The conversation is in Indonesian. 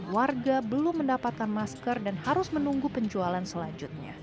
warga belum mendapatkan masker dan harus menunggu penjualan selanjutnya